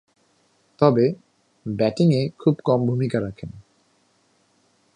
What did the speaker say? তবে, ব্যাটিংয়ে খুব কম ভূমিকা রাখেন।